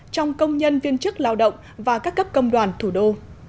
trong công nhân viên chức lao động và các cấp công đoàn thủ đô